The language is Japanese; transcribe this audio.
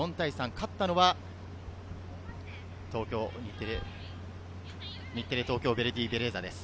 勝ったのは、日テレ・東京ヴェルディベレーザです。